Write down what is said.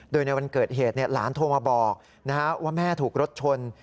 โดยในวันเกิดเหตุหลานโทรมาบอกว่าแม่ถูกรถชน